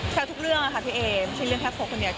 ทุกเรื่องค่ะพี่เอไม่ใช่เรื่องแค่เขาคนเดียว